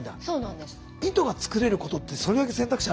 そうなんですよ。